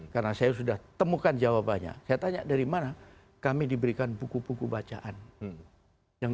karena saya sudah temukan jawabannya saya tanya dari mana kami diberikan buku buku bacaan yang